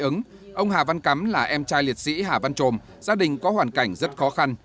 trường cao đoạn nghề số bốn ông hà văn cắm là em trai liệt sĩ hà văn trồm gia đình có hoàn cảnh rất khó khăn